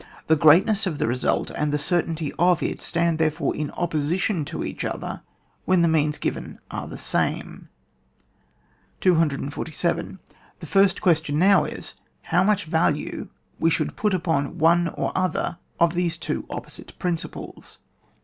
The greatness of the result, and the certainty of it, stand therefore in opposition to each other when the means given are the same. 247. The first question now is, how much value we should put upon one or other of these two opposite principles